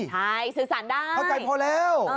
เข้าใจพอแล้ว